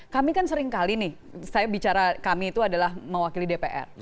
kami kan seringkali nih saya bicara kami itu adalah mewakili dpr